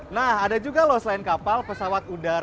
nah ada juga loh selain kapal pesawat udara